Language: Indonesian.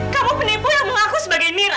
kamu penipu yang mengaku sebagai mira